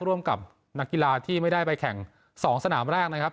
ร่วมกับนักกีฬาที่ไม่ได้ไปแข่ง๒สนามแรกนะครับ